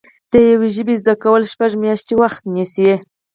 د یوې ژبې زده کول شپږ میاشتې وخت نیسي